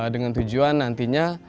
dengan tujuan nantinya